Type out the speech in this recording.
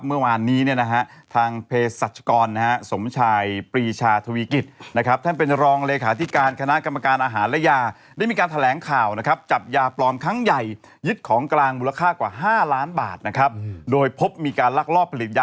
เมื่อวานนี้ทางเพศศัตริกรสมชายปรีชชาธวีกิต